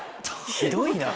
ひどいな。